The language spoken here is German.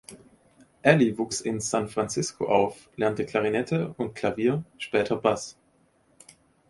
Alley wuchs in San Francisco auf, lernte Klarinette und Klavier, später Bass.